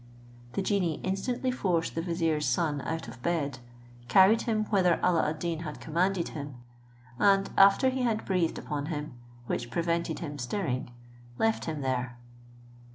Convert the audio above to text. The genie instantly forced the vizier's son out of bed, carried him whither Alla ad Deen had commanded him; and after he had breathed upon him, which prevented him stirring, left him there.